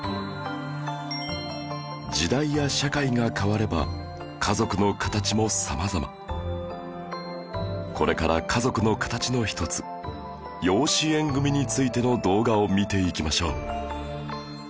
時代や社会が変わればこれから家族のカタチの一つ養子縁組についての動画を見ていきましょう